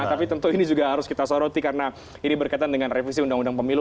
tapi tentu ini juga harus kita soroti karena ini berkaitan dengan revisi undang undang pemilu